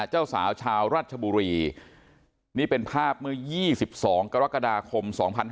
เจ้าสาวชาวราชบุรีนี่เป็นภาพเมื่อ๒๒กรกฎาคม๒๕๖๒